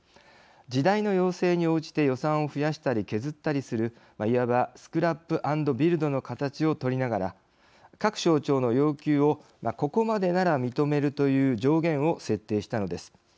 時代の要請に応じて予算を増やしたり削ったりするいわばスクラップアンドビルドの形を取りながら各省庁の要求をここまでなら認めるという上限を設定したのです。